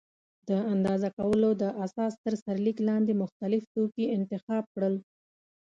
د اندازه کولو د اساس تر سرلیک لاندې مختلف توکي انتخاب کړل.